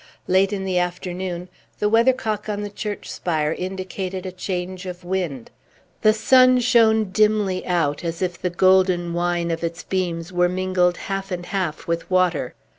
Late in the afternoon, the weathercock on the church spire indicated a change of wind; the sun shone dimly out, as if the golden wine of its beams were mingled half and half with water.